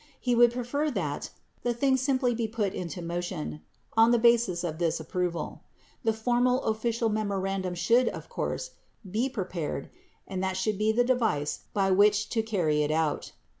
He would prefer that the thing simply he put into motion on the basis of this approval. The formal official memorandum should, of course, be prepared and that should be the device by which to carry it out